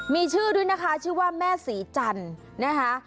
มีชื่อด้วยนะคะชื่อว่าแม่ศรีจันทร์นะคะ